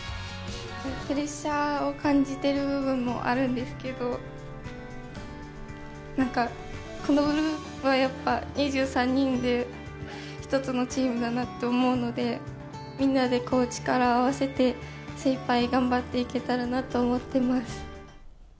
プレッシャーを感じてる部分もあるんですけど、なんか、このグループはやっぱ２３人で一つのチームだなって思うので、みんなでこう、力を合わせて、精いっぱい頑張っていけたらなと思ってます。